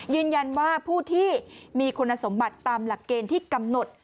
ยืนยันว่าผู้ที่มีคุณสมบัติตามหลักเกณฑ์ที่กำหนด